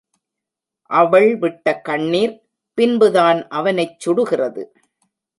அவள் விட்ட கண்ணிர் பின்புதான் அவனைச் சுடுகிறது.